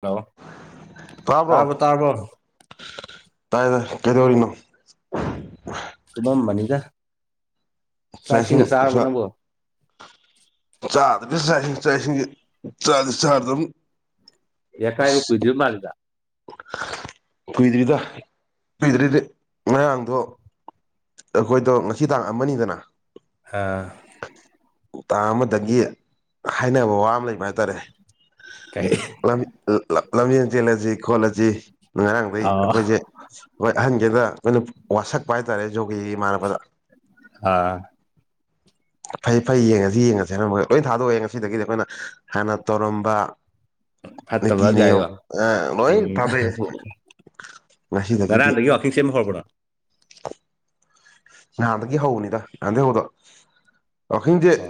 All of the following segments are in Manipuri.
ꯍꯜꯂꯣ ꯇꯥꯕ꯭ꯔꯣ ꯇꯥꯔꯕꯣ ꯇꯥꯔꯕꯣ ꯇꯥꯏꯌꯦ ꯇꯥꯏ ꯀꯩꯗꯧꯔꯤꯅꯣ꯫ ꯇꯨꯝꯃꯝꯕꯅꯤꯗ ꯆꯥꯛ ꯏꯁꯤꯡꯒ ꯆꯥꯔꯕꯣ ꯅꯪꯕꯣ꯫ ꯆꯥꯗ [unintelligible] ꯌꯥꯀꯥꯏ ꯀꯨꯏꯗ꯭ꯔꯤꯕ ꯃꯥꯥꯜꯂꯤꯗ꯫ ꯀꯨꯏꯗ꯭ꯔꯤꯗ ꯀꯨꯏꯗ꯭ꯔꯤꯗꯤ ꯉꯔꯥꯡꯗꯣ ꯑꯈꯣꯏꯗꯣ ꯉꯁꯤ ꯇꯥꯡ ꯑꯃꯅꯤꯗꯅ ꯑꯥ ꯇꯥꯡ ꯑꯃꯗꯒꯤ ꯍꯥꯏꯅꯕ ꯋꯥ ꯑꯃ ꯂꯩꯕ ꯍꯥꯏꯇꯥꯔꯦ꯫ ꯀꯩ ꯂꯝ ꯂꯝ ꯂꯝ ꯂꯝꯖꯦꯟ ꯆꯦꯜꯂꯖꯤ ꯈꯣꯠꯂꯁꯤ ꯉꯔꯥꯡꯗꯩ ꯑꯣ ꯑꯈꯣꯏꯁꯦ ꯍꯣꯏ ꯑꯍꯟꯒꯩꯗ ꯑꯈꯣꯏꯅ ꯋꯥꯁꯛꯄ ꯍꯥꯏꯇꯥꯔꯦ ꯖꯣꯒꯤ ꯏꯃꯥꯟꯅꯕꯗ꯫ ꯑꯥ ꯐꯩ ꯐꯩ ꯌꯦꯡꯉꯖꯤ ꯌꯦꯡꯉꯖꯤ ꯍꯥꯏꯔꯝꯃꯒ ꯂꯣꯏ ꯊꯥꯗꯣꯛꯑꯦ ꯉꯁꯤꯗꯒꯤꯗꯤ ꯑꯈꯣꯏꯅ꯫ ꯍꯥꯟꯅ ꯇꯧꯔꯝꯕ ꯅꯤꯇꯤ ꯐꯠꯇꯕ ꯅꯤꯌꯣꯝ ꯒꯥꯏꯌꯣ ꯑ ꯂꯣꯏ ꯎꯝ ꯊꯗꯣꯛ ꯑꯦꯁꯤ ꯉꯁꯤꯗꯒꯤꯗꯤ꯫ ꯀꯤꯡ ꯆꯦꯟꯕ ꯍꯔꯕ꯭ꯔꯥ ꯅꯍꯥꯟꯗꯒꯤ ꯍꯧꯕꯅꯤꯗ ꯉꯍꯥꯟꯗꯩ ꯍꯧꯕꯗꯣ ꯋꯥꯀꯤꯡꯖꯦ ꯑꯣ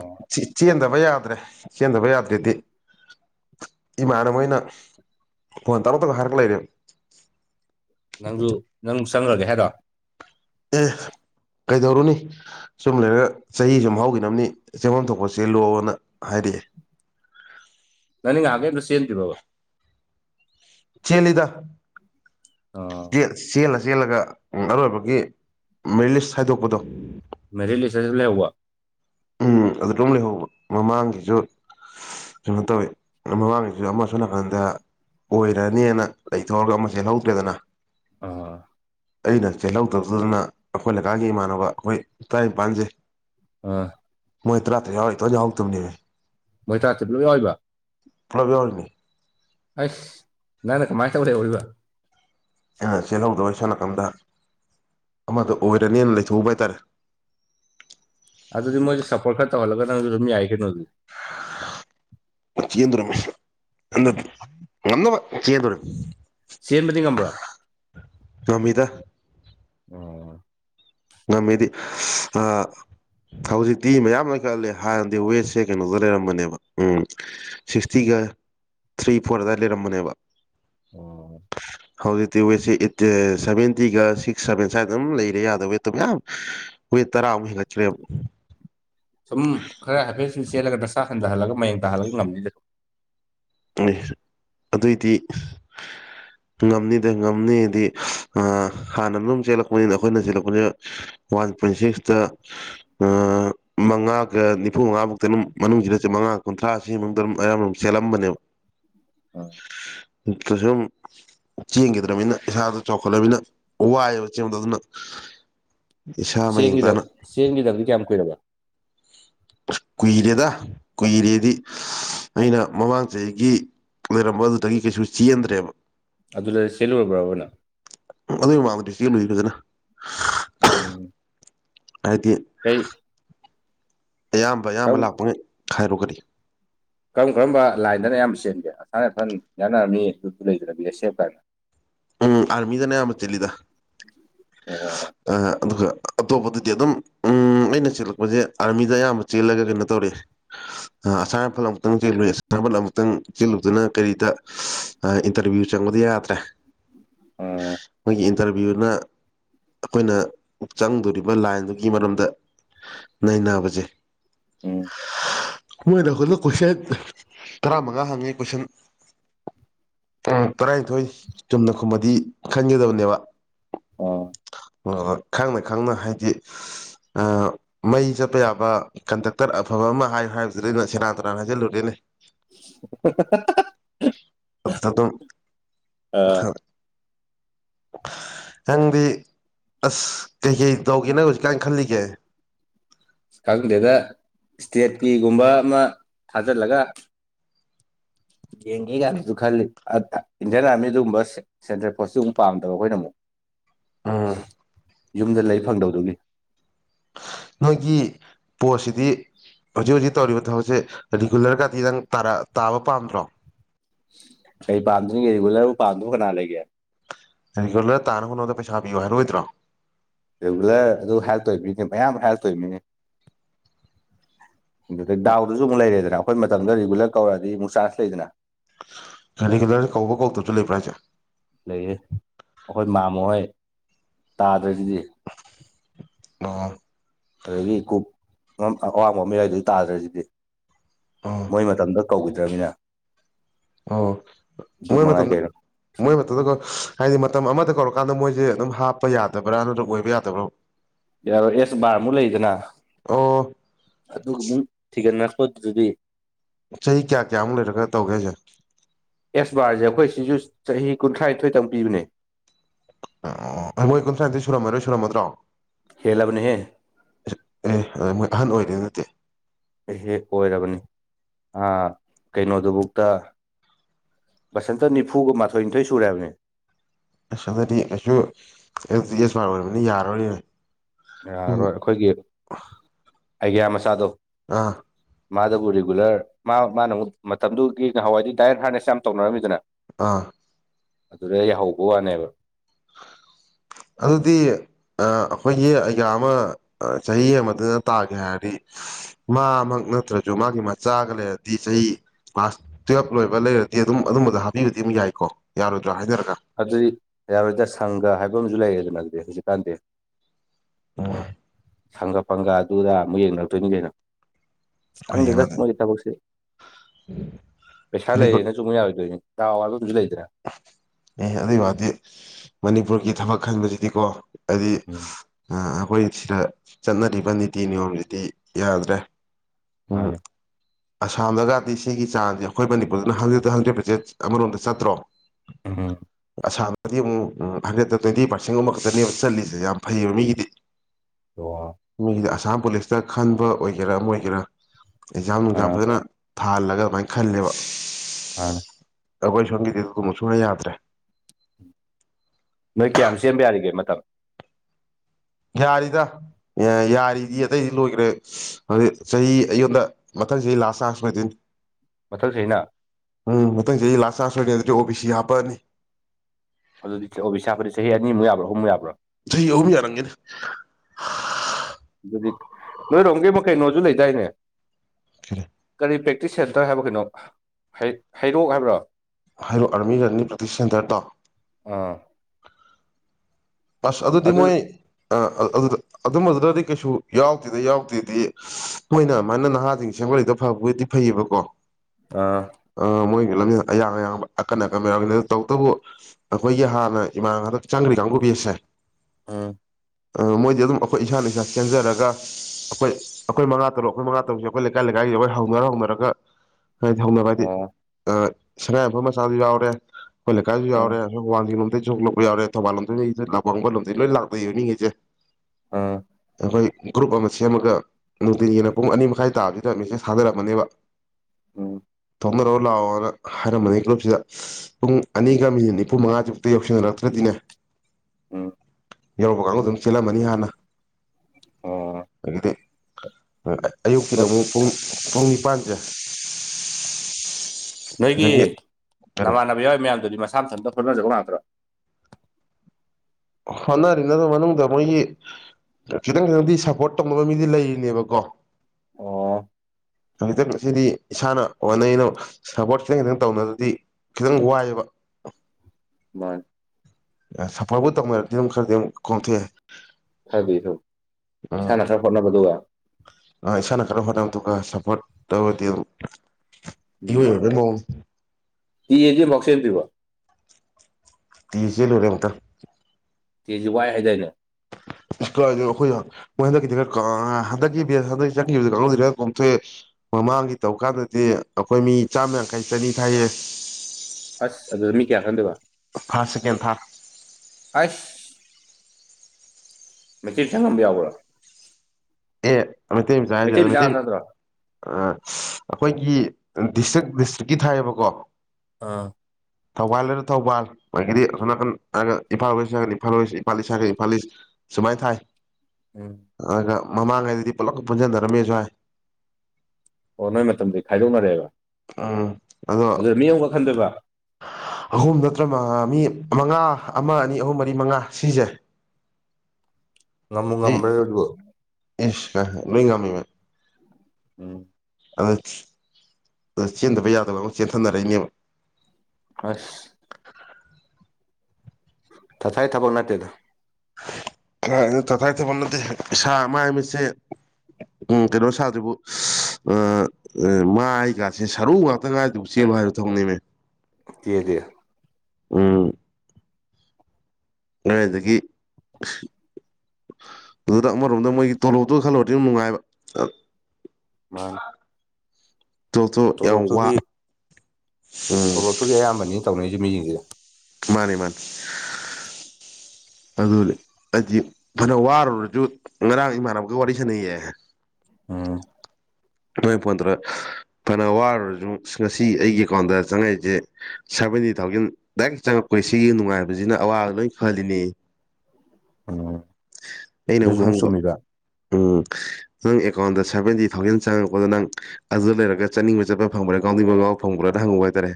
ꯆꯦꯟꯗꯕ ꯌꯥꯗ꯭ꯔꯦ ꯆꯦꯟꯗꯕ ꯌꯥꯗ꯭ꯔꯦꯗꯤ ꯏꯃꯥꯟꯅꯕꯒꯩꯅ ꯐꯣꯟ ꯇꯧꯔꯛ ꯇꯧꯔꯛ ꯍꯥꯏꯔꯒ ꯂꯩꯔꯦ꯫ ꯅꯪꯖꯨ ꯅꯪ ꯆꯪꯒ꯭ꯔꯒꯦ ꯍꯥꯏꯔꯣ꯫ ꯑꯦ ꯀꯩꯗꯧꯔꯨꯅꯤ ꯁꯨꯝ ꯂꯩꯔꯒ ꯆꯍꯤ ꯁꯨꯝ ꯍꯧꯈꯤꯅꯕꯅꯤ ꯆꯦꯟꯕꯝ ꯊꯣꯛꯄ ꯆꯦꯜꯂꯣꯑꯣꯅ ꯍꯥꯏꯔꯛꯑꯦ꯫ ꯅꯪꯗꯤ ꯉꯥꯍꯥꯟꯒꯩ ꯑꯝꯇ ꯆꯦꯟꯗ꯭ꯔꯤꯕꯕ꯫ ꯆꯦꯜꯂꯤꯗ ꯑꯣ ꯆꯦꯜꯂ ꯆꯦꯜꯂꯒ ꯎꯝ ꯑꯔꯣꯏꯕꯒꯤ ꯃꯦꯔꯤꯂꯤꯁ ꯍꯥꯏꯗꯣꯛꯄꯗꯣ꯫ ꯃꯦꯔꯤꯂꯤꯁꯇ ꯂꯩꯍꯧꯕ꯫ ꯎꯝ ꯑꯗꯨꯗ꯭ꯔꯨꯝ ꯂꯩꯍꯧꯕ ꯃꯃꯥꯡꯒꯤꯖꯨ꯫ ꯀꯩꯅꯣ ꯇꯧꯋꯦ ꯃꯃꯥꯡꯒꯤꯁꯨ ꯑꯃ ꯁꯣ ꯅꯥꯀꯟꯗ ꯑꯣꯏꯔꯅꯦꯅ ꯂꯩꯊꯣꯛꯑꯒ ꯑꯃ ꯆꯦꯜꯍꯧꯗ꯭ꯔꯦꯗꯅ꯫ ꯑ ꯑꯩꯅ ꯆꯦꯜꯍꯧꯗꯞꯗꯨꯅ ꯑꯈꯣꯏ ꯂꯩꯀꯥꯏꯒꯤ ꯏꯃꯥꯟꯅꯕ ꯑꯈꯣꯏ ꯇ꯭ꯔꯥꯄꯥꯟꯖꯦ ꯑꯥ ꯃꯣꯏ ꯇ꯭ꯔꯥꯇꯔ꯭ꯦꯠ ꯌꯥꯎꯔ ꯏꯇꯣꯝ ꯌꯥꯥꯎꯗꯕꯅꯦꯕ ꯃꯣꯏ ꯇꯇ꯭ꯔꯨꯛ ꯂꯣꯏ ꯑꯣꯏꯕ꯫ ꯄꯨꯂꯞ ꯌꯥꯎꯔꯤꯅꯤ꯫ ꯑꯩꯁ ꯅꯪꯅ ꯀꯃꯥꯏ ꯇꯧꯗ ꯂꯩꯍꯧꯔꯤꯕ ꯑꯩꯅ ꯆꯦꯜꯍꯧꯗꯕ ꯁꯣꯟꯅꯀꯥꯟꯗ ꯑꯃꯗ ꯑꯣꯏꯔꯅꯦꯅ ꯂꯩꯊꯣꯛꯎꯕ ꯍꯥꯏꯇꯥꯔꯦ꯫ ꯑꯗꯨꯗꯤ ꯃꯣꯏꯖꯨ ꯁꯄꯣꯔꯠ ꯈ ꯇꯧꯍꯜꯂꯒ ꯅꯪꯃꯤꯖꯨ ꯑꯗꯨꯝ ꯌꯥꯏ ꯀꯩꯅꯣꯗꯨ꯫ ꯀꯤꯟꯗꯨꯔꯝ ꯅꯗꯕ ꯀꯌꯦꯗꯨꯔ ꯆꯦꯟꯕꯗꯤ ꯉꯝꯕ꯭ꯔꯣ ꯉꯝꯃꯤꯗ ꯑꯣ ꯉꯝꯃꯤꯗꯤ ꯑ ꯍꯧꯖꯤꯛꯇꯤ ꯃꯌꯥꯝ ꯅꯣꯏꯈꯠꯂꯦ ꯍꯥꯟꯅꯗꯤ ꯋꯦꯠꯁꯦ ꯀꯩꯅꯣꯗ ꯂꯩꯔꯝꯕꯅꯦꯕ ꯎꯝ ꯁꯤꯛꯁꯇꯤꯒ ꯊ꯭ꯔꯤ ꯐꯣꯔ ꯑꯗꯨꯋꯥꯏꯗ ꯂꯩꯔꯝꯕꯅꯦꯕ ꯑꯣꯝ ꯍꯧꯖꯤꯛꯇꯤ ꯋꯦꯠꯁꯦꯠꯇ ꯁꯚꯦꯟꯇꯤꯒ ꯁꯤꯛꯁ ꯁꯚꯦꯟ ꯁ꯭ꯋꯥꯏꯗ ꯑꯗꯨꯝ ꯂꯩꯔꯦ ꯌꯥꯗꯕ ꯋꯦꯠ ꯋꯤꯠ ꯇꯔꯥ ꯃꯨꯛ ꯍꯦꯟꯒꯠꯈꯔ꯭ꯦꯕꯥ ꯁꯨꯝ ꯈꯔ ꯍꯥꯏꯐꯦꯠ ꯁꯨꯝ ꯆꯦꯜꯂꯒ ꯅ꯭ꯔꯥ ꯍꯟꯊꯍꯜꯂꯒ ꯃꯌꯦꯡ ꯇꯥꯍꯜꯂꯒ ꯉꯝꯅꯤꯗ ꯑꯗꯨꯑꯣꯏꯗꯤ ꯎ ꯉꯝꯅꯤꯗ ꯉꯝꯅꯤꯗꯤ ꯑ ꯍꯥꯟꯅ ꯑꯗꯨꯝ ꯆꯦꯜꯂꯛꯄꯅꯤꯅ ꯑꯩꯈꯣꯏꯅ ꯆꯦꯜꯂꯛꯄꯁ ꯋꯥꯟ ꯄꯣꯏꯟ ꯁꯤꯛꯁꯇ ꯃꯉꯥꯒ ꯅꯤꯐꯨ ꯃꯉꯥ ꯃꯨꯛꯇ ꯑꯗꯨꯝ ꯃꯅꯨꯡꯁꯤꯗꯁꯦ ꯃꯉꯥ ꯀꯨꯟꯊ꯭ꯔꯥꯁꯤ ꯃꯅꯨꯡꯗ ꯑꯗꯨꯝ ꯑꯌꯥꯝꯕ ꯆꯦꯂꯝꯕꯅꯦꯕ ꯑ ꯏꯀꯁꯨꯝ ꯆꯦꯟꯈꯤꯗ꯭ꯔꯅꯤꯅ ꯏꯁꯥꯗ ꯆꯥꯎꯈꯠꯂꯅꯤꯅ ꯋꯥꯏꯑꯕ ꯆꯦꯡꯕꯗꯣ ꯑꯗꯨꯅ ꯏꯁꯥ ꯃꯌꯦꯡ ꯆꯦꯡꯒꯤꯗ ꯇꯥꯅ ꯆꯦꯡꯒꯤꯗꯕꯗꯤ ꯀꯌꯥꯝ ꯀꯨꯏꯔꯕ ꯑꯁ ꯀꯨꯏꯔꯦꯗ ꯀꯨꯏꯔꯦꯗꯤ ꯑꯩꯅ ꯃꯃꯥꯡ ꯆꯍꯤꯒꯤ ꯂꯩꯔꯝꯕ ꯑꯗꯨꯗꯒꯤ ꯀꯩꯁꯨ ꯆꯦꯟꯗ꯭ꯔꯦꯕ ꯑꯗꯨꯗ ꯆꯦꯂꯨꯔꯕ꯭ꯔꯣꯅ ꯑꯗꯨꯏ ꯃꯥꯡꯗ꯭ꯔꯗꯤ ꯁꯤ ꯂꯩꯔꯗꯅ ꯎꯝ ꯑꯗꯤ ꯀꯩ ꯑꯌꯥꯝꯕ ꯑꯌꯥꯝꯕ ꯀꯔꯝ ꯂꯥꯛꯄ ꯉꯩ ꯍꯥꯏꯔꯨꯒꯗꯤ ꯀꯔꯝ ꯀꯔꯝꯕ ꯂꯥꯏꯟꯗꯅ ꯌꯥꯝꯌꯥꯝ ꯆꯦꯟꯒꯦ ꯑꯁꯥꯅ ꯏꯊꯟ ꯌꯥꯅꯔꯝꯃꯤ ꯑꯗꯨꯠꯇꯨ ꯂꯩꯒ꯭ꯔꯃꯤ ꯌꯥ ꯁꯦꯞ ꯀꯥꯏꯅ [inaudible] ꯎꯝ ꯑꯥꯔꯃꯤꯗꯅ ꯑꯥꯌꯥꯝꯕ ꯆꯦꯜꯂꯤꯗ ꯑꯣ ꯑꯗꯨꯒ ꯑꯇꯣꯞꯄꯗꯗꯤ ꯑꯗꯨꯝ ꯎꯝ ꯑꯩꯅ ꯆꯦꯜꯂꯛꯄꯁꯦ ꯑꯥꯔꯃꯤꯗ ꯑꯌꯥꯝꯕ ꯆꯦꯜꯂꯒ ꯀꯩꯅꯣ ꯇꯧꯔꯦ ꯑꯁꯥ ꯔꯄꯠ ꯑꯃꯨꯛꯇꯪ ꯆꯦꯜꯂꯨꯏ ꯑꯁꯥꯟꯄ ꯑꯃꯨꯛꯇꯪ ꯆꯦꯜꯂꯨꯗꯅ ꯀꯔꯤꯗ ꯏꯟꯇꯔꯚ꯭ꯌꯨ ꯆꯪꯕꯗꯤ ꯌꯥꯗ꯭ꯔꯦ ꯎꯝ ꯃꯣꯏꯒꯤ ꯏꯟꯇꯔꯚꯤꯌꯨꯅ ꯑꯩꯈꯣꯏꯅ ꯆꯪꯗꯣꯔꯤꯕ ꯂꯥꯏꯟꯗꯨꯒꯤ ꯃꯔꯝꯗ ꯅꯩꯅꯕꯁꯦ ꯎꯝ ꯃꯣꯏꯗ ꯑꯩꯈꯣꯏ ꯀꯣꯏꯁꯟ ꯇꯔꯥ ꯃꯉꯥ ꯍꯪꯉꯤ ꯀꯣꯏꯁꯟ ꯎ ꯇꯔꯥꯅꯤꯊꯣꯏ ꯆꯨꯝꯅ ꯈꯨꯝꯃꯗꯤ ꯈꯟꯒꯗꯕꯅꯦꯕ ꯑꯣ ꯍꯣꯏ ꯈꯪꯅ ꯈꯪꯅ ꯍꯥꯏꯗꯤ ꯃꯩ ꯆꯠꯄ ꯌꯥꯕ ꯀꯟꯗꯛꯇꯔ ꯑꯐꯕ ꯑꯃ ꯍꯥꯏꯌꯨ ꯍꯥꯏꯗꯨꯗ ꯑꯩꯅ ꯁꯦꯔꯥꯟ ꯇꯨꯔꯥꯟ ꯍꯥꯏꯖꯤꯜꯂꯨꯔꯦꯅꯦ [inaudible] ꯑ ꯑꯗꯨꯝ ꯑ ꯅꯪꯗꯤ ꯑꯁ ꯀꯩꯀꯩ ꯇꯧꯒꯦ ꯅꯪ ꯍꯧꯖꯤꯛꯀꯥꯟ ꯈꯜꯂꯤꯒꯦ ꯈꯪꯗꯦꯗ ꯏꯁꯇꯦꯠꯀꯤꯒꯨꯝꯕ ꯑꯃ ꯊꯥꯖꯤꯜꯂꯒ ꯌꯦꯡꯉ ꯀꯥꯟꯅꯁꯨ ꯈꯜꯂꯤ ꯏꯟꯗꯤꯌꯥꯟ ꯑꯥꯔꯃꯤꯗꯨꯨꯝꯕꯁꯦ ꯁꯦꯟꯇꯔꯦꯜ ꯐꯣꯁꯇꯤ ꯑꯃꯨꯛ ꯄꯥꯝꯗꯕ ꯈꯣꯏꯅꯃꯨꯛ ꯑꯝ ꯌꯨꯝꯗ ꯂꯩ ꯐꯪꯗꯧꯗꯨꯒꯤ ꯅꯣꯏꯒꯤ ꯄꯣꯠꯁꯤꯗꯤ ꯍꯧꯖꯤꯛ ꯍꯧꯖꯤꯛ ꯇꯧꯔꯤꯕ ꯊꯕꯛꯁꯦ ꯔꯤꯒꯨꯂꯔꯒꯗꯤ ꯅꯪ ꯇꯥꯕ ꯄꯥꯝꯗ꯭ꯔꯣ ꯀꯩ ꯄꯥꯟꯗꯣꯏꯒꯦ ꯔꯤꯒꯨꯂꯔꯕꯨ ꯄꯝꯗꯕ ꯀꯅꯥ ꯂꯩꯒꯦ ꯑꯦꯔꯤꯀꯨꯂꯔꯥꯟꯅꯅꯕꯣꯠꯅꯕꯗ ꯄꯩꯁꯥꯤꯌꯨ ꯍꯥꯏꯔꯣꯏꯗ꯭ꯔꯣ ꯔꯤꯒꯨꯂꯔ ꯑꯗꯨ ꯍꯥꯏꯔꯛꯇꯣꯏ ꯃꯤꯅꯤ ꯃꯌꯥꯝ ꯍꯥꯏꯔꯛꯇꯣꯏꯃꯤꯅꯤ ꯑꯗꯨꯗꯩ ꯗꯥꯎꯗꯨꯁꯨ ꯑꯃꯨꯛ ꯂꯩꯔꯦꯗꯅ ꯑꯩꯈꯣꯏ ꯃꯇꯝꯗ ꯔꯤꯒꯨꯂꯔ ꯀꯧꯔꯛꯑꯗꯤ ꯑꯃꯨꯛ ꯆꯥꯔꯖ ꯂꯩꯗꯅ ꯀꯔꯤꯒꯂꯔ ꯀꯧꯕ ꯀꯧꯗꯕꯁꯨ ꯂꯩꯕ꯭ꯔꯥ ꯍꯥꯏꯁꯦ ꯂꯩꯌꯦ ꯑꯩꯈꯣꯏ ꯃꯥꯃꯣꯏ ꯇꯥꯗ꯭ꯔꯒꯗꯤ ꯑꯣ ꯑꯗꯒꯤ ꯀꯨꯞ ꯑꯋꯥꯡꯕ ꯃꯌꯥꯏꯗꯨ ꯇꯥꯗ꯭ꯔꯁꯤꯗꯤ ꯑꯣ ꯃꯣꯏ ꯃꯇꯝꯗ ꯀꯧꯈꯤꯗ꯭ꯔꯕꯅꯤꯅ ꯑꯣ ꯑꯗꯨ ꯃꯣꯏ ꯃꯉꯥꯏ ꯃꯇꯝꯗ ꯀꯩꯅꯣ ꯃꯣꯏ ꯃꯗꯒ ꯍꯥꯏꯗꯤ ꯃꯇꯝ ꯑꯃꯗ ꯀꯧꯔꯀꯥꯟꯗ ꯃꯣꯏꯁꯦ ꯑꯗꯨꯝ ꯍꯥꯞꯄ ꯌꯥꯗꯕ꯭ꯔꯥ ꯅꯠꯇ꯭ꯔꯒ ꯑꯣꯏꯕ ꯌꯥꯗꯕ꯭ꯔꯥ ꯌꯥꯔꯣꯏ ꯑꯦꯁ ꯕꯥꯔꯃꯨꯛ ꯂꯩꯗꯅ ꯑꯣ ꯑꯗꯨꯒ ꯊꯤꯀꯅ ꯅꯄꯣ ꯑꯗꯨꯗꯤ ꯆꯍꯤ ꯀꯌꯥ ꯀꯌꯥꯃꯨꯛ ꯂꯩꯔꯒ ꯇꯧꯒꯦꯁꯦ ꯑꯦꯁ ꯕꯥꯔꯁꯦ ꯑꯩꯈꯣꯏ ꯁꯤꯁꯨ ꯆꯍꯤ ꯀꯨꯟꯊ꯭ꯔꯥꯅꯤꯊꯣꯏꯗꯪ ꯄꯤꯕꯅꯦ ꯑꯣ ꯑꯣ ꯃꯣꯏ ꯀꯨꯝꯊꯥꯗꯗꯤ ꯁꯨꯔꯃꯔꯣꯏ ꯁꯨꯔꯝꯃꯗ꯭ꯔꯣ ꯍꯦꯜꯂꯕꯅꯦꯍꯦ ꯑꯦ ꯃꯣꯏ ꯑꯍꯟ ꯑꯣꯏꯔꯦ ꯑꯗꯨꯗꯤ ꯍ ꯍꯦꯛ ꯑꯣꯏꯔꯕꯅꯤ ꯀꯩꯅꯣꯗꯨꯐꯥꯎꯗ ꯕꯁꯟꯇ ꯅꯤꯐꯨꯒ ꯃꯥꯊꯣꯏ ꯅꯤꯊꯣꯏ ꯁꯨꯔꯦꯕꯅꯤ ꯑꯁ ꯑꯗꯨꯗꯤ ꯑꯩꯁꯨ ꯑꯗꯨꯗꯤꯁꯃ ꯑꯣꯏꯕꯅꯤ ꯌꯥꯔꯅꯤꯅꯦ ꯌꯥꯔꯣꯏ ꯑꯩꯈꯣꯏꯒꯤ ꯑꯥꯏꯗꯤ꯭ꯌꯥ ꯃꯆꯥꯗꯣ ꯑꯥ ꯃꯥꯗꯕꯨ ꯔꯤꯒꯨꯂꯔ ꯃꯥ ꯃꯥꯅ ꯑꯃꯨꯛ ꯃꯇꯝꯗꯨꯒꯤꯍꯋꯥꯏꯗꯨ ꯗꯥꯏꯠ ꯍꯥꯔꯅꯦꯁ ꯌꯥꯝ ꯇꯧꯅꯔꯝꯃꯤꯗꯅ ꯑꯥ ꯑꯗꯨꯗ ꯌꯥꯍꯧꯕ ꯋꯥꯅꯦꯕ [inaudible] ꯑꯗꯨꯗꯤ ꯑ ꯑꯩꯈꯣꯏꯒꯤ ꯑꯖꯌꯥ ꯑꯃ ꯆꯍꯤ ꯑꯃꯗꯨꯗ ꯇꯥꯒꯦ ꯍꯥꯏꯔꯗꯤ ꯃꯥꯃꯛ ꯅꯠꯇ꯭ꯔꯁꯨ ꯃꯥꯒꯤ ꯃꯆꯥꯒ ꯂꯩꯔꯗꯤ ꯆꯍꯤ ꯀ꯭ꯂꯥꯁ ꯇꯨꯌꯦꯦꯜꯞ ꯂꯣꯏꯕ ꯂꯩꯔꯗꯤ ꯑꯗꯨꯝ ꯑꯗꯨꯝꯕꯗ ꯍꯥꯞꯕꯤꯕꯗꯤ ꯑꯗꯨꯝ ꯌꯥꯏꯀꯣ ꯌꯥꯔꯣꯏꯗ꯭ꯔꯣ ꯍꯥꯏꯅꯔꯒ ꯑꯗꯨꯗꯤ ꯌꯥꯔꯣꯏꯗ ꯁꯪꯒ ꯍꯥꯏꯕ ꯑꯃꯁꯨ ꯂꯩꯌꯦꯗꯅ ꯑꯗꯨꯗꯤ ꯍꯧꯖꯤꯛꯀꯥꯟꯗꯤ ꯑꯣ ꯁꯪꯒ ꯄꯪꯒꯗꯨꯗ ꯑꯃꯨꯛ ꯌꯦꯡꯅꯔꯛꯇꯣꯏꯅꯤ ꯀꯩꯅꯣ ꯍꯌꯦꯡꯅ ꯈꯪꯗꯦꯗ ꯃꯣꯏꯒꯤ ꯊꯕꯛꯁꯦ ꯄꯩꯁꯥ ꯚꯦꯔꯤ ꯒꯨꯗ ꯂꯩꯔꯦꯅ ꯆꯨꯝꯕ ꯌꯥꯔꯣꯏꯗꯣꯏꯅꯤ ꯗꯧ ꯍꯥꯌꯕꯥ ꯑꯃꯁꯨ ꯂꯩꯔꯤꯗꯅ ꯑꯦ ꯑꯗꯨꯏ ꯋꯥꯗꯤ ꯃꯅꯤꯄꯨꯔꯒꯤ ꯊꯕꯛ ꯈꯟꯕꯁꯤꯗꯤꯀꯣ ꯍꯥꯏꯗꯤ ꯎꯝ ꯑꯩꯈꯣꯏ ꯁꯤꯗ ꯆꯠꯅꯔꯤꯕ ꯅꯤꯇꯤ ꯅꯤꯌꯣꯝꯁꯤꯗꯤ ꯌꯥꯗ꯭ꯔꯦ ꯑ ꯃꯥꯅꯦ [inaudible] ꯑꯁꯥꯝꯗꯒꯗꯤ ꯁꯤꯒꯤ ꯆꯥꯡꯁꯦ ꯑꯩꯈꯣꯏ ꯃꯅꯤꯄꯨꯔꯗꯨꯅ ꯍꯟꯗꯦꯛꯇ ꯍꯟꯗ꯭ꯔꯦꯠ ꯄꯔꯁꯦꯠ ꯑꯃꯔꯣꯝ ꯆꯠꯇ꯭ꯔꯣ ꯎꯝ ꯑꯁꯥꯝꯗꯗꯤ ꯑꯃꯨꯛ ꯍꯟꯗ꯭ꯔꯦꯗꯠꯇ ꯇ꯭ꯋꯦꯟꯇꯤ ꯄꯥꯔꯁꯦꯟꯒꯨꯝ ꯈꯛꯇꯅꯦꯕ ꯆꯜꯂꯤꯠꯂꯤꯁꯦ ꯌꯥꯝ ꯐꯩꯌꯦꯕ ꯃꯤꯒꯤꯗꯤ ꯑꯣ ꯃꯤꯒꯤꯗꯤ ꯑꯁꯥꯝ ꯄꯨꯂꯤꯁꯇ ꯈꯟꯕ ꯑꯣꯏꯒꯦꯔꯥ ꯑꯃ ꯑꯣꯏꯒꯦꯔꯥ ꯑꯦꯛꯖꯥꯝ ꯑ ꯅꯨꯡꯖꯥꯝ ꯐꯖꯅ ꯊꯥꯍꯜꯂꯒ ꯑꯗꯨꯃꯥꯏꯅ ꯈꯜꯂꯦꯕ ꯑ ꯑꯩꯈꯣꯏ ꯁꯪꯒꯤ ꯑꯗꯨꯒꯨꯝ ꯁꯨꯉ ꯌꯥꯗ꯭ꯔꯦ ꯅꯣꯏ ꯀꯌꯥꯝ ꯆꯦꯟꯕ ꯌꯥꯔꯤꯒꯦ ꯃꯇꯝ ꯌꯥꯔꯤꯗ ꯌꯥꯔꯤꯗꯤ ꯑꯇꯩꯗꯤ ꯂꯣꯏꯈ꯭ꯔꯦ ꯍꯧꯖꯤꯛ ꯆꯍꯤ ꯑꯩꯉꯣꯟꯗ ꯃꯊꯁꯤ ꯂꯥꯁ ꯍꯥꯉꯁꯝꯇꯅꯤ ꯃꯊꯛꯁꯤꯩꯅ ꯎꯝ ꯃꯊꯪꯁꯤꯦ ꯑꯩ ꯂꯥꯛ ꯆꯥꯔ ꯁꯣꯏꯅꯤ ꯑꯗꯨꯗꯤ ꯑꯣ ꯕꯤ ꯁꯤ ꯍꯥꯞꯄꯛꯑꯅꯤ ꯑꯗꯨꯗꯤ ꯑꯣꯕꯤꯁꯥꯈꯔꯤꯁꯦ ꯑꯅꯤꯨꯛꯕ꯭ꯔꯥꯨꯛ ꯌꯥꯕ꯭ꯔꯥ ꯆꯍꯤ ꯑꯣꯕꯤ ꯌꯥꯔꯪꯒꯦꯅꯦ ꯑꯗꯨꯗꯤ ꯅꯣꯏꯔꯣꯝꯒꯤ ꯃꯈ ꯀꯩꯅꯣꯁꯨ ꯂꯩꯗꯥꯏꯅꯦ ꯆꯔ ꯀꯔꯤ ꯄ꯭ꯔꯦꯛꯇꯤꯁ ꯁꯦꯟꯇꯔ ꯍꯥꯏꯕ ꯀꯩꯅꯣ ꯍꯩꯔꯣꯛ ꯍꯥꯏꯕ꯭ꯔꯣ ꯍꯥꯏꯔꯣ ꯑꯥꯔꯃꯤ ꯔꯟꯅꯤ ꯄ꯭ꯔꯇꯤꯁ ꯁꯦꯟꯇꯔꯗꯣ ꯑꯥ ꯑꯁ ꯑꯗꯨꯗꯤ ꯑꯗꯨ ꯃꯣꯏ ꯑꯗꯨꯗ ꯑꯗꯨꯝꯕꯗꯨꯗꯗꯤ ꯀꯩꯁꯨ ꯌꯥꯎꯗꯦꯗꯤ ꯌꯥꯎꯗꯦꯗꯤ ꯃꯣꯏꯅ ꯑꯗꯨꯥꯏꯅ ꯅꯍꯥꯁꯤꯡ ꯁꯦꯝꯒꯠꯂꯛꯇ ꯐꯕꯕꯨꯗꯤ ꯐꯩꯌꯦꯕꯀꯣ ꯑ ꯑ ꯃꯣꯏꯒꯤ ꯂꯝꯖ ꯑꯌꯥꯡ ꯑꯌꯥꯡꯕ ꯑꯀꯟ ꯑꯀꯟꯕ ꯌꯥꯎꯒꯤ ꯇꯧꯕꯇꯕꯨ ꯑꯩꯈꯣꯏꯒꯤ ꯍꯥꯟꯅ ꯏꯃꯥ ꯍꯥꯛꯗꯛ ꯆꯪꯈ꯭ꯔꯤ ꯀꯥꯡꯕꯨ ꯄ ꯑꯁꯦ ꯑꯥ ꯃꯣꯏꯗꯤ ꯑꯗꯨꯝ ꯑꯩꯈꯣꯏ ꯏꯁꯥꯅ ꯏꯁ ꯏꯁꯥ ꯆꯦꯟꯖꯔꯒ ꯑꯩꯈꯣꯏ ꯑꯩꯈꯣꯏ ꯃꯉꯥ ꯇꯔꯨꯛ ꯑꯩꯈꯣꯏ ꯃꯉꯥ ꯇꯔꯨꯛꯁꯤꯦ ꯑꯩꯈꯣꯏ ꯂꯩꯀꯥꯏ ꯂꯩꯀꯥꯏꯁ ꯑꯩꯈꯣꯏ ꯍꯧꯅꯔ ꯍꯧꯅꯔꯒ ꯍꯥꯏꯗꯤ ꯊ ꯍꯧꯅꯕ ꯍꯥꯏꯗꯤ ꯑꯣ ꯁꯉꯥꯏ ꯃꯨꯝꯐꯝ ꯃꯆꯥꯗꯨ ꯌꯥꯎꯔꯦ ꯑꯩꯈꯣꯏ ꯂꯩꯀꯥꯏꯁꯨ ꯎꯝ ꯌꯥꯎꯔꯦ ꯁꯣꯝ ꯋꯥꯜꯒꯤ ꯂꯣꯝꯗꯁꯨ ꯁꯣꯛꯂ ꯌꯥꯎꯔ ꯊꯧꯕꯥꯜ ꯂꯝꯗꯩ ꯂꯥꯛꯋꯥꯡꯕ ꯂꯣꯝꯩ ꯂꯣꯏ ꯂꯥꯛꯇꯗ ꯌ ꯍꯥꯏꯅꯤꯡꯉꯤꯁꯦ ꯑꯥ ꯑꯩꯈꯣꯏ ꯒ꯭ꯔꯨꯞ ꯑꯃ ꯁꯦꯝꯃꯒ ꯅꯨꯡꯊꯤꯟꯒꯤꯅ ꯄꯨꯡ ꯑꯅꯤ ꯃꯈꯥꯏ ꯇꯥꯕꯁꯤꯗ ꯃꯦꯁꯦꯁ ꯊꯥꯗꯔꯛꯃꯅꯦꯕ ꯎꯝ ꯔꯣ ꯂꯥꯛꯑꯣꯅ ꯍꯥꯏꯔꯝꯕꯅꯤ ꯀ꯭ꯂꯁꯤꯗ ꯄꯨꯡ ꯎꯝ ꯎꯝ ꯑꯅꯤꯒ ꯃꯤꯅꯤꯅꯤ ꯃꯐꯨ ꯃꯉꯥ ꯆꯨꯛꯇ ꯌꯧꯁꯤꯟꯅꯔꯛꯇ꯭ꯔꯗꯤꯅ ꯑꯣ ꯌꯧꯔꯛꯄ ꯀꯥꯡꯗꯣ ꯑꯗꯨꯝ ꯆꯦꯜꯂꯝꯃꯅꯤ ꯍꯥꯟꯅ ꯑꯣ ꯑꯗꯒꯤꯗꯤ ꯑꯌꯨꯛꯀꯤꯗ ꯅꯣ- ꯑꯃꯨꯛ ꯄꯨꯡ ꯄꯨꯡ ꯅꯤꯄꯜꯁꯦ ꯅꯣꯏꯒꯤ ꯁꯤꯗꯒꯤ ꯀꯔꯤ ꯅꯃꯥꯟꯅꯕ ꯌꯥꯎꯋꯏ ꯃꯌꯥꯝꯗꯨꯗꯤ ꯃꯁꯥ ꯃꯊꯟꯇ ꯍꯣꯠꯅꯖꯕ ꯉꯥꯛꯇ꯭ꯔꯣ ꯍꯣꯠꯅꯔꯤꯅ ꯑꯗꯨ ꯃꯅꯨꯡꯗ ꯃꯣꯏꯒꯤ ꯈꯤꯇꯪ ꯈꯤꯇꯪꯗꯤ ꯁꯞꯄꯣꯔꯠ ꯇꯧꯅꯕ ꯃꯤꯗꯤ ꯂꯩꯔꯤꯅꯦꯕꯀꯣ ꯑꯣ ꯍꯧꯖꯤꯛꯇꯪ ꯑꯁꯤꯗꯤ ꯏꯁꯥꯅ ꯍꯅ ꯑꯩꯅ ꯁꯞꯄꯣꯔꯠ ꯈꯤꯇꯪ ꯈꯤꯇꯪ ꯇꯧꯅꯗꯨꯗꯤ ꯈꯤꯇꯪ ꯋꯥꯏꯑꯕ ꯁ ꯁꯐꯔꯕꯨ ꯇꯧꯅꯔꯗꯤ ꯑꯃꯨꯛ ꯈꯔꯗꯤ ꯑꯃꯨꯛ ꯀꯣꯝꯊꯣꯛꯑꯦ ꯈꯔꯗꯤ ꯊ ꯎꯝ ꯏꯁꯥꯅ ꯈ꯭ꯔ ꯍꯣꯠꯅꯕꯗ ꯋꯥ ꯏꯁꯥꯅ ꯈꯔ ꯍꯣꯠꯅꯅꯕꯗꯨꯒ ꯁꯞꯄꯣꯔꯠ ꯇꯧꯔꯗꯤ ꯑꯗꯨꯝ ꯏꯏꯕꯕꯒꯤ ꯃꯑꯣꯡ ꯇ ꯌꯦꯦ ꯃꯁ ꯄꯤꯕ ꯇꯤ ꯆꯦ ꯂꯨꯔꯦ ꯑꯃꯨꯛꯇ ꯀꯦꯖꯤ ꯋꯥꯏ ꯍꯥꯏꯗꯥꯏꯅꯦ ꯏꯁꯀꯥꯏ ꯑꯩꯈꯣꯏ ꯃꯣꯏ ꯍꯟꯗꯛꯀꯤꯗꯤ ꯈꯔ ꯍꯟꯗꯛꯀꯤꯟ ꯆꯈꯤꯕ ꯈꯔ ꯀꯣꯝꯊꯑꯦ ꯃꯃꯥꯡꯒꯤ ꯇꯧꯕ ꯀꯥꯟꯗꯗꯤ ꯑꯩꯈꯣꯏ ꯃꯤ ꯆꯥꯝꯃ ꯌꯥꯡꯈꯩ ꯆꯅꯤ ꯈꯥꯏꯌꯦ ꯑꯁ ꯑꯗꯨꯗ ꯃꯤ ꯀꯌꯥ ꯈꯟꯗꯦꯕ ꯁꯦꯀꯦꯟ ꯊꯥꯔꯠ ꯑꯁ ꯃꯆꯦꯠ ꯁꯪꯉꯝꯕ ꯌꯥꯎꯕ꯭ꯔꯥ ꯑꯦꯊ ꯆ ꯃꯩꯇꯩ ꯃꯆꯥ ꯃꯇꯩ ꯉꯥꯛꯇ ꯅꯠꯇ꯭ꯔꯣ ꯑꯩꯈꯣꯏꯒꯤ ꯗꯤꯁꯇ꯭ꯔꯤꯛ ꯗꯤꯁꯇ꯭ꯔꯤꯛꯀꯤ ꯊꯥꯏꯌꯦꯕꯀꯣ ꯑꯥ ꯊꯧꯕꯥꯜꯗꯅ ꯊꯧꯕꯥꯜ ꯃꯗꯤ ꯁꯅꯥ ꯀꯥꯟ ꯑꯒꯦ ꯏꯐꯥꯜꯁꯤ ꯁꯒꯦ ꯏꯐꯜꯁꯤ ꯏꯐ ꯁꯒꯦ ꯏꯐꯜꯁ ꯁꯃꯥꯏ ꯊꯥꯏ ꯎꯝ ꯑꯗꯨꯒ ꯃꯃꯥꯡꯈꯩꯗꯗꯤ ꯄꯨꯂꯞ ꯄꯨꯟꯁꯤꯟꯅꯔꯝꯃꯦꯁꯨ ꯍꯥꯏꯏ ꯑꯣ ꯅꯣꯏ ꯃꯇꯝꯗꯤ ꯈꯥꯏꯗꯣꯛꯅꯔꯦꯕ ꯎꯝ ꯑꯗꯣ ꯑꯗꯨꯗ ꯃꯤ ꯌꯧꯉ ꯈꯟꯗꯕ ꯑꯍꯨꯝ ꯅꯠꯇ꯭ꯔ ꯃꯤ ꯃꯉꯥ ꯑꯃ ꯑꯅꯤ ꯑꯍꯨꯝ ꯃꯔꯤ ꯃꯉꯥ ꯁꯤꯁꯦ ꯉꯃ ꯉꯝꯕ꯭ꯔꯦ ꯑꯣꯏꯕꯣ ꯑꯦꯁ ꯂꯣꯏ ꯉꯝꯃꯤ ꯎꯝ ꯑ ꯆꯦꯟꯗꯕ ꯌꯥꯗꯕ ꯑꯃꯨ ꯆꯦꯟꯊꯅꯔꯛꯏꯅꯦꯕ ꯈꯁ ꯇꯁꯥꯒꯤ ꯊꯕꯛ ꯅꯠꯇꯦꯗ ꯇꯊꯥꯏ ꯏ ꯃꯅꯗꯤ ꯁꯃ ꯃꯤꯁꯦ ꯎꯝ ꯀꯩꯅꯣ ꯁꯥꯇ꯭ꯕꯨ ꯑ ꯑꯦ ꯃꯥꯥꯏꯒꯥꯁꯦ ꯁꯔꯨ ꯉꯥꯛꯇ ꯉꯥꯏꯗꯨꯕꯨ ꯆꯦꯕ ꯍꯥꯏꯔꯣ ꯊꯧꯅꯤꯡꯃꯦ ꯌꯦꯗꯤ ꯎꯝ ꯉꯔꯗꯒꯤ ꯑꯗꯨꯗ ꯑꯃꯔꯣꯝꯗ ꯃꯣꯏꯒꯤ ꯇꯣꯂꯣꯞꯇꯣ ꯈꯜꯂꯣꯗꯤ ꯌꯥꯝ ꯅꯨꯡꯉꯥꯏꯕ ꯃꯥꯥꯅꯦ ꯇꯣꯇꯣ ꯌꯥꯎ ꯋꯥ ꯎꯝ ꯇꯣꯂꯣꯞꯨꯒꯤ ꯑꯌꯥꯝꯕꯅꯤ ꯇꯧꯅꯔꯤꯁꯦ ꯃꯤꯌꯦꯡꯁꯦ ꯃꯥꯅꯦ ꯃꯥꯅꯦ [unintelligible] ꯑꯗꯨꯅꯦ ꯍꯥꯏꯗꯤ ꯐꯅ ꯋꯥꯔꯨꯔꯁꯨ ꯉꯔꯥꯡ ꯏꯃꯥꯟꯅꯕꯒ ꯋꯥꯔꯤ ꯁꯥꯟꯅꯩꯌꯦ ꯎꯝ ꯅꯣꯏ ꯐꯣꯟ ꯇꯧꯔꯒ ꯐꯅ ꯋꯥꯔꯨꯔꯁꯨ ꯉꯁꯤ ꯑꯩꯒꯤ ꯑꯦꯀꯥꯎꯟꯗ ꯆꯪꯉꯛꯏꯁꯦ ꯁꯚꯦꯟꯇꯤ ꯊꯥꯎꯖꯟ ꯗꯥꯏ ꯆꯪꯉꯛꯄꯣꯏ ꯁꯤꯒꯤ ꯅꯨꯡꯉꯥꯏꯕꯁꯤꯅ ꯑꯋꯥꯕ ꯂꯣꯏꯅ ꯐꯍꯜꯂꯤꯅꯦ ꯎꯝ ꯑꯩꯅ ꯑꯃꯨꯛ ꯍꯪꯕ [unintelligible] ꯎꯝ ꯅꯪ ꯑꯦꯀꯥꯎꯟꯗ ꯁꯚꯦꯟꯇꯤ ꯊꯥꯎꯖꯟ ꯆꯪꯉꯛꯄꯗ ꯅꯪ ꯑꯗꯨꯗ ꯂꯩꯔꯒ ꯆꯠꯅꯤꯡꯕ ꯆꯠꯄ ꯐꯪꯕ꯭ꯔꯥ ꯀꯥꯎꯅꯤꯡꯕꯒꯥꯎ ꯐꯪꯕ꯭ꯔꯥꯅ ꯍꯪꯉꯨ ꯍꯥꯏꯇꯥꯔꯦ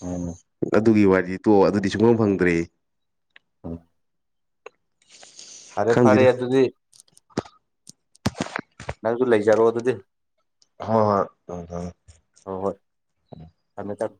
ꯎꯝ ꯑꯗꯨꯒꯤ ꯋꯥꯔꯤꯗꯤ ꯇꯣ ꯑꯗꯨꯗꯤ ꯁꯨꯡꯐꯝꯝ ꯐꯪꯗ꯭ꯔꯦ ꯎꯝ ꯐꯔꯦ ꯐꯔꯦ ꯈꯪꯗꯦꯗ ꯑꯗꯨꯗꯤ ꯅꯪꯁꯨ ꯂꯩꯖꯔꯛꯑꯣ ꯑꯗꯨꯗꯤ ꯍꯣꯏ ꯍꯣꯏ ꯎꯝ ꯍꯝ ꯍꯣꯏ ꯍꯣꯏ ꯊꯝꯃꯦ ꯊꯝꯃꯦ